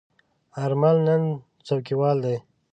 آرمل نن څوکیوال دی.